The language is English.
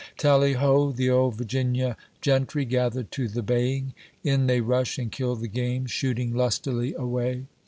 Tallyho ! the old Virginia gentry gathered to the baying ! In they rush and kill the game, shooting lustily away